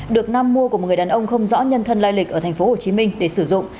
được nam mua của một người đàn ông không rõ nhân thân lai lịch ở thành phố hồ chí minh để sử dụng